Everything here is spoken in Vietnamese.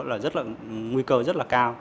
là rất là nguy cơ rất là cao